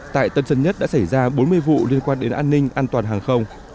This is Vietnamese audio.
tại tân sân nhất đã xảy ra bốn mươi vụ liên quan đến an ninh an toàn hàng không